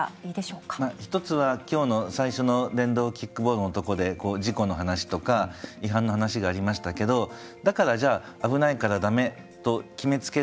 一つは今日の最初の電動キックボードのとこで事故の話とか違反の話がありましたけどだからじゃあ危ないから駄目と決めつけるのは少し難しい。